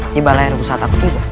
di balai rusa takut juga